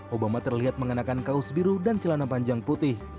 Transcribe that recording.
obama terlihat mengenakan kaos biru dan celana panjang putih